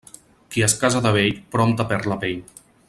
Qui es casa de vell, prompte perd la pell.